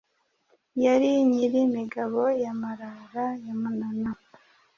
yari Nyirimigabo ya Marara ya Munana,